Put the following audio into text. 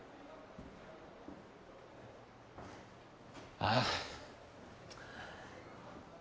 ああ。